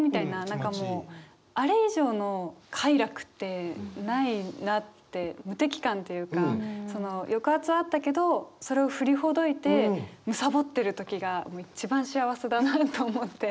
何かもうあれ以上の快楽ってないなって無敵感っていうか抑圧はあったけどそれを振りほどいてむさぼってる時が一番幸せだなと思って。